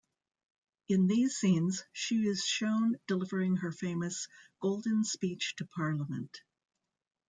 In these scenes, she is shown delivering her famous Golden Speech to Parliament.